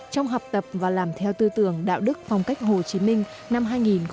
trong học tập và làm theo tư tưởng đạo đức phong cách hồ chí minh năm hai nghìn một mươi chín